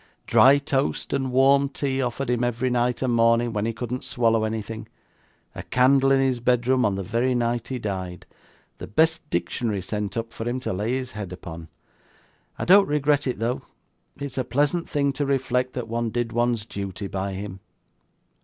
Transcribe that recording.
Dry toast and warm tea offered him every night and morning when he couldn't swallow anything a candle in his bedroom on the very night he died the best dictionary sent up for him to lay his head upon I don't regret it though. It is a pleasant thing to reflect that one did one's duty by him.